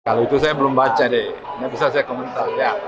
kalau itu saya belum baca deh nggak bisa saya komentar